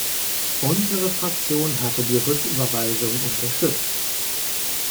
Unsere Fraktion hatte die Rücküberweisung unterstützt.